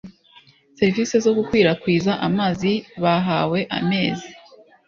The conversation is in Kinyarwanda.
serivisi zo gukwirakwiza amazi bahawe amezi